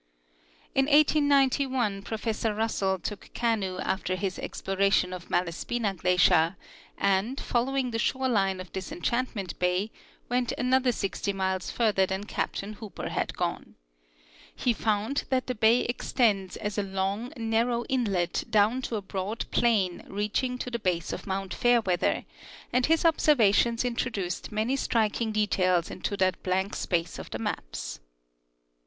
In 1891 Professor Russell took canoe after his exploration of Malaspina glacier, and, following the shore line of Disenchant ment bay, went another 60 miles further than Captain Hooper had gone. He found that the bay extends as a long, narrow inlet down to a broad plain reaching to the base of mount Fair weather, and his observations introduced many striking details into that blank space of the maps.